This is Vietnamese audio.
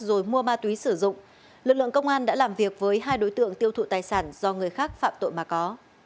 rồi mua ma túy sử dụng lực lượng công an đã làm việc với hai đối tượng tiêu thụ tài sản do người khác phạm tội mà có